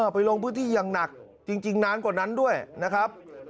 ลงพื้นที่อย่างหนักจริงนานกว่านั้นด้วยนะครับ